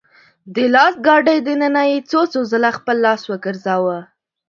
د لاس ګاډي دننه يې څو څو ځله خپل لاس وګرځاوه .